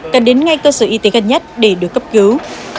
cần đến ngay cơ sở y tế gần nhất để được cấp cứu